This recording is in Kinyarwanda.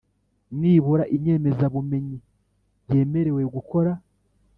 nibura inyemezabumenyi yemerewe gukora